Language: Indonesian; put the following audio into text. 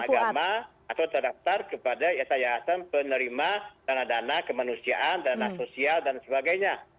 agama atau terdaftar kepada yayasan yayasan penerima dana dana kemanusiaan dana sosial dan sebagainya